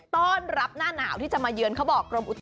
ต้อนรับหน้าหนาวที่จะมาเยือนเขาบอกกรมอุตุ